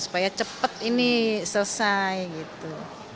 supaya cepat ini selesai gitu